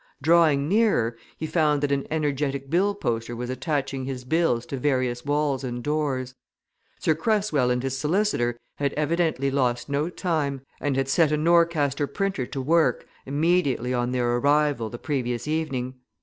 Drawing nearer he found that an energetic bill poster was attaching his bills to various walls and doors. Sir Cresswell and his solicitor had evidently lost no time, and had set a Norcaster printer to work immediately on their arrival the previous evening.